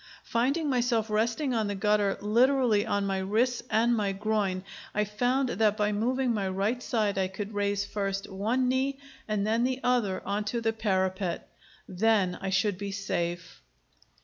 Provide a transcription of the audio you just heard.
Finding myself resting on the gutter literally on my wrists and my groin, I found that by moving my right side I could raise first one knee and then the other on to the parapet. Then I should be safe.